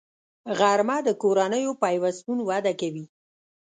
غرمه د کورنیو پیوستون وده کوي